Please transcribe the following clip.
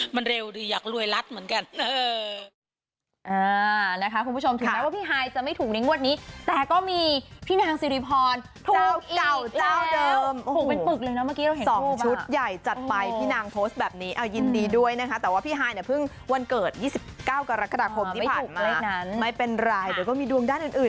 มันเร็วดีอยากรวยรัดเหมือนกัน